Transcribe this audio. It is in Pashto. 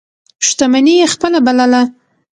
شتمني یې خپله بلله.